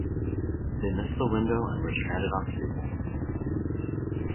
They missed the window and were stranded on Steeple.